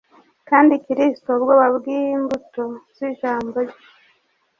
Kandi Kristo ubwoba bwimbuto zijambo rye